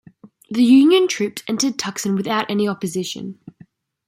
The Union troops entered Tucson without any opposition.